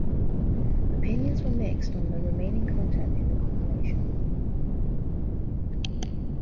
Opinions were mixed on the remaining content in the compilation.